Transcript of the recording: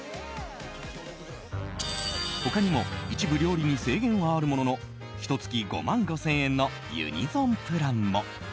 他にも一部料理に制限はあるもののひと月５万５０００円のＵｎｉｓｏｎプランも。